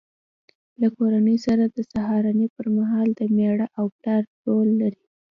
له کورنۍ سره د سهارنۍ پر مهال د مېړه او پلار رول لري.